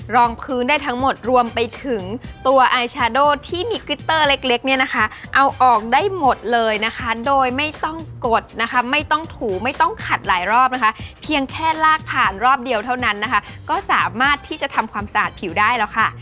รองพื้นได้ทั้งหมดรวมไปถึงตัวไอชาโดที่มีกริตเตอร์เล็กเนี่ยนะคะเอาออกได้หมดเลยนะคะโดยไม่ต้องกดนะคะไม่ต้องถูไม่ต้องขัดหลายรอบนะคะเพียงแค่ลากผ่านรอบเดียวเท่านั้นนะคะก็สามารถที่จะทำความสะอาดผิวได้แล้วค่ะ